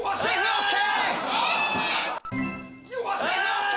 ＯＫ！